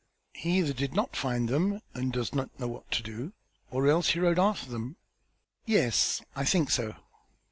"He either did not find them and does not know what to do or else rode after them." "Yes, I think so."